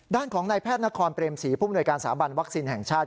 ด้านของนายแพทย์นครเตรียมศรีผู้บริเวณการสามารถวัคซีนแห่งชาติ